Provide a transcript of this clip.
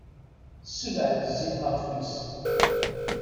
Ssebɛed zzit ɣef tmes.